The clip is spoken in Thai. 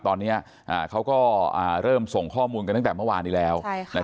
ตอนนี้เขาก็เริ่มส่งข้อมูลกันตั้งแต่เมื่อวานนี้แล้ว